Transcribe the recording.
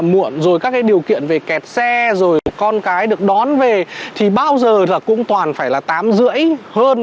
muộn rồi các cái điều kiện về kẹt xe rồi con cái được đón về thì bao giờ là cũng toàn phải là tám rưỡi hơn